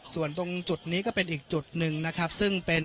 ส่วนตรงจุดนี้ก็เป็นอีกจุดหนึ่งนะครับซึ่งเป็น